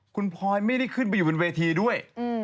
คุณพลอยไม่ได้ขึ้นไปอยู่บนเวทีด้วย